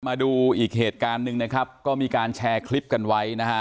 มาดูอีกเหตุการณ์หนึ่งนะครับก็มีการแชร์คลิปกันไว้นะฮะ